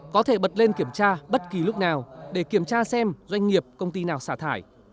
có thể bật lên kiểm tra bất kỳ lúc nào để kiểm tra xem doanh nghiệp công ty nào xả thải